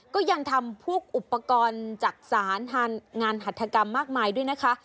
ก็ยังทำพวกอุปกรณ์จักษานงานหัฐกรรมมากมายด้วยนะคะ